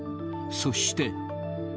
そして。